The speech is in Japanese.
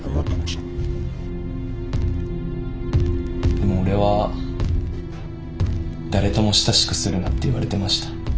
でも俺は誰とも親しくするなって言われてました。